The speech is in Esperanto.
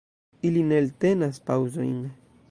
Ili ne eltenas paŭzojn.